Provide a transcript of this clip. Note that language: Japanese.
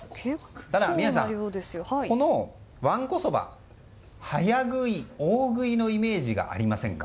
ただ、宮司さん、このわんこそば早食い、大食いのイメージがありませんか？